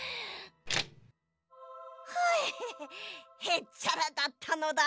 へっちゃらだったのだ。